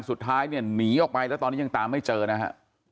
สุดท้ายเนี่ยหนีออกไปแล้วตอนนี้ยังตามไม่เจอนะฮะ